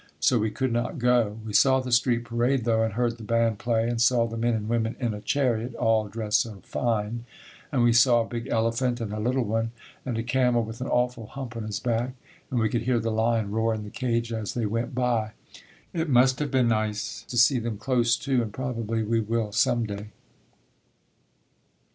So we could not go. We saw the street parade though and heard the band play and saw the men and women in a chariot, all dressed so fine, and we saw a big elephant and a little one and a camel with an awful hump on his back, and we could hear the lion roar in the cage, as they went by. It must have been nice to see them close to and probably we will some day.